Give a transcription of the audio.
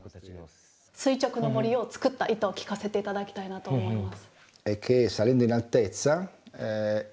垂直の森をつくった意図を聞かせていただきたいなと思います。